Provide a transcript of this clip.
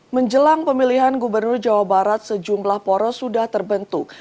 menjelang pemilihan gubernur jawa barat sejumlah poros sudah terbentuk